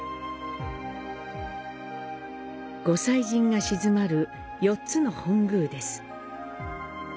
御祭神が鎮まる４つの本宮です。